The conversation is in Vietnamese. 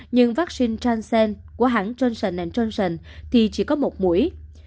nhưng vaccine transcend của hãng johnson johnson thì chỉ có một mũi